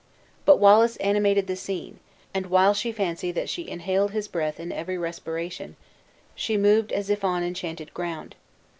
But Wallace animated the scene; and while she fancied that she inhaled his breath in every respiration, she moved as if on enchanted ground.